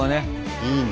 いいね。